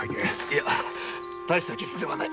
いや大した傷ではない。